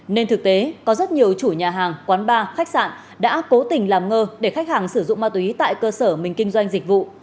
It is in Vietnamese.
nên thực tế có rất nhiều chủ nhà hàng quán bar khách sạn đã cố tình làm ngơ để khách hàng sử dụng ma túy tại cơ sở mình kinh doanh dịch vụ